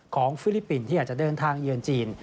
ฟิลิปปินส์ที่อาจจะเดินทางเยือนจีน